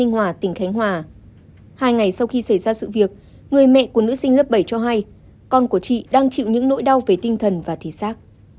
hai ngày sau khi xảy ra sự việc người mẹ của nữ sinh lớp bảy cho hay con của chị đang chịu những nỗi đau về tinh thần và thị xác